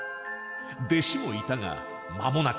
弟子もいたが間もなく他界。